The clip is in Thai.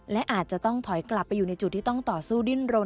และอาจจะต้องถอยกลับไปอยู่ในจุดที่ต้องต่อสู้ดิ้นรน